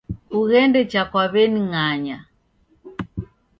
Kughende cha kwa w'eni ng'anya